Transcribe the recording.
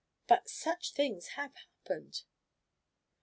But such things have happened."